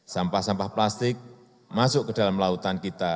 sampah sampah plastik masuk ke dalam lautan kita